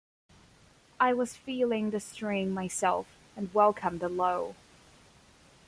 I was feeling the strain myself, and welcomed a lull.